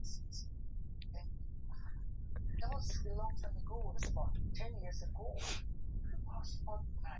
All foreign traders gained rights to travel within China.